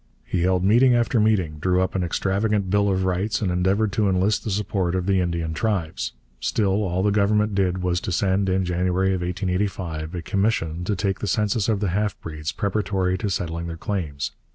He held meeting after meeting, drew up an extravagant Bill of Rights, and endeavoured to enlist the support of the Indian tribes. Still all the Government did was to send, in January 1885, a commission to take the census of the half breeds, preparatory to settling their claims.